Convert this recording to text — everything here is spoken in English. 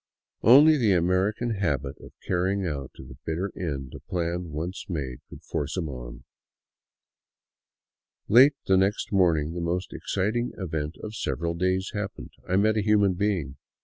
Only the American habit of carrying out to the bitter end a plan once made could force him on. Late the next morning the most exciting event of several days hap pened,— I met a human being.